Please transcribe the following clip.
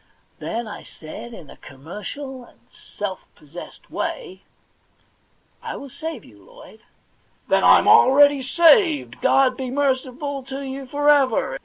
Then I said, in a commercial and self possessed way :* I will save you, Lloyd '* Then I'm already saved ! God be merciful to you for ever